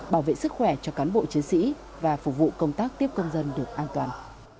bảo vệ sức khỏe cho cán bộ chiến sĩ và phục vụ công tác tiếp công dân được an toàn